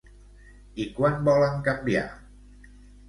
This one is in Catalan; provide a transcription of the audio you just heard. I quan volen canviar?